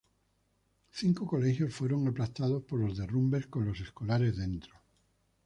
Cinco colegios fueron aplastados por los derrumbes con los escolares dentro.